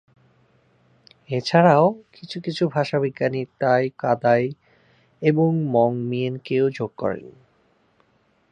এছাড়াও, কিছু কিছু ভাষাবিজ্ঞানী তাই-কাদাই এবং মং-মিয়েনকেও যোগ করেন।